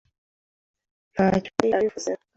Ntacyo yari abivugaho.